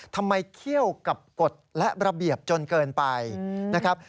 เคี่ยวกับกฎและระเบียบจนเกินไปนะครับ